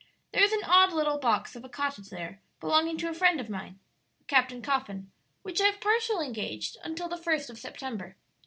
There is an odd little box of a cottage there belonging to a friend of mine, a Captain Coffin, which I have partially engaged until the first of September.